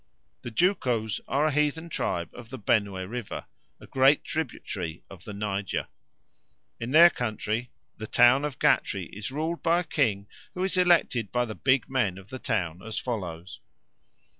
The Jukos are a heathen tribe of the Benue River, a great tributary of the Niger. In their country "the town of Gatri is ruled by a king who is elected by the big men of the town as follows.